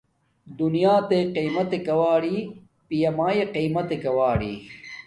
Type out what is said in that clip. دونیاتݵݵ قیمت اکاوری پیا مایے قیمت اکاوری